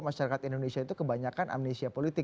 masyarakat indonesia itu kebanyakan amnesia politik